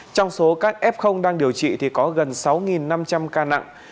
trong số các f đang điều trị thì có gần sáu năm trăm linh ca nặng